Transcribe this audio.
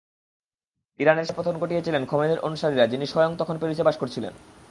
ইরানের শাহের পতন ঘটিয়েছিলেন খোমেনির অনুসারীরা, যিনি স্বয়ং তখন প্যারিসে বাস করছিলেন।